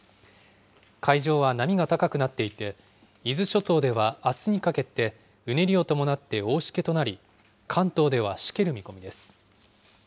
海上は波が高くなっていて、伊豆諸島ではあすにかけてうねりを伴って大しけとなり、関東ではしける見込みです。